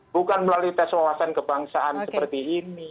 bukan melalui tes wawasan kebangsaan seperti ini